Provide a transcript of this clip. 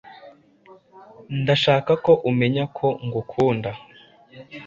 Ndashaka ko umenya ko ngukunda.